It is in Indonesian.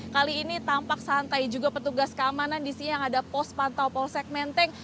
kali ini tampak santai juga petugas keamanan di sini yang ada pos pantau polsek menteng